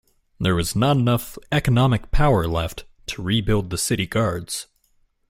There was not enough economic power left to rebuild the city guards.